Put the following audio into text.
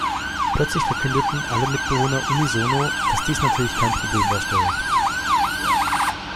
Plötzlich verkündeten alle Mitbewerber unisono, dass dies natürlich kein Problem darstelle.